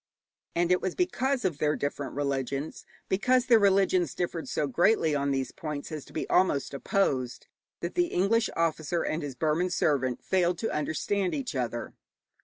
And it was because of their different religions, because their religions differed so greatly on these points as to be almost opposed, that the English officer and his Burman servant failed to understand each other.